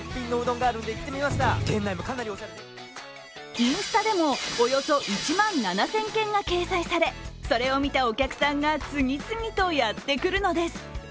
インスタでもおよそ１万７０００件が掲載されそれを見たお客さんが次々とやってくるのです。